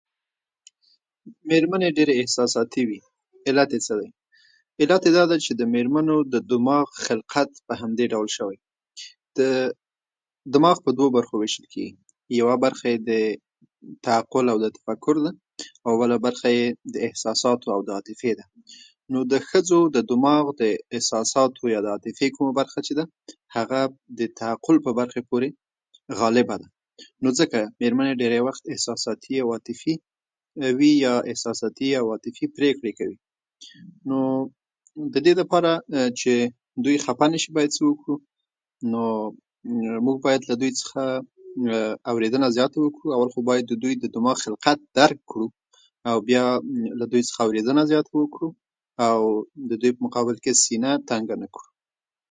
میرمنې ډېرې احساساتي وي. علت یې څه دی؟ علت یې دا ده چې د میرمنو د دماغو خلقت په دې ډول شوی. د د دماغ خلقت په دې ډول شوی. د ماغ په دوو برخو ویشل کېږي؛ یوه برخه یې د تعقل ا و د تفکر ده، او بله برخه کې یې د د احساساتو او عاطفې ده. نو د ښځو د دماغ د احساساتو او عاطفې کومه برخه چې ده، هغه د تعقل په برخې پورې غالبه ده. نو ځکه میرمنې ډيری وخت عاطفي او احساساتي نه وي، او عاطفي او احساساتي پرېکړې کوي. نو د دې لپاره چې دوی خپه نه شي، نو باید څه وکو؟ نو موږ باید له دوی څخه اوريدنه زیاته وکو. اول د دوی دماغ خلقت درک کړو، او بیا له دوی څخه اوریدنه زیاته وکو، او د دوی په مقابل کې سینه تنګه نه کو.